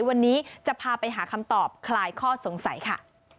วันนี้จะพาไปหาคำตอบคลายข้อสงสัยค่ะ